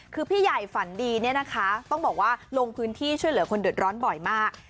คือพี่ใหญ่ฝันดีเนี่ยนะคะต้องบอกว่าลงพื้นที่ช่วยเหลือคนเดือดร้อนบ่อยมาก